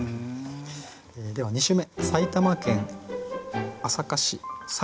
では２首目。